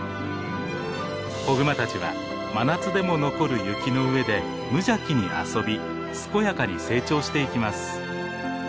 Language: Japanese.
子グマたちは真夏でも残る雪の上で無邪気に遊び健やかに成長していきます。